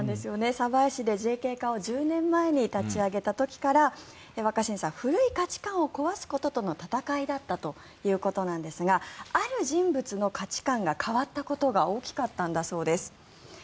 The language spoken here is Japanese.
鯖江市で１０年前にＪＫ課を立ち上げてから若新さん古い価値観を壊すこととの闘いだったということなんですがある人物の価値観が変わったことが大きかったんだそうです。